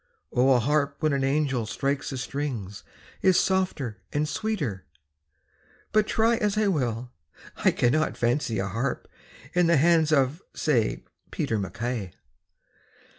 O a harp when an angel strikes the strings Is softer and sweeter, but try As I will, I cannot fancy a harp In the hands of, say, Peter MacKay.